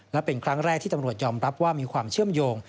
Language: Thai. และเป็นครั้งแรกที่ตำรวจยอมรับว่ามีความเชื่อมโยง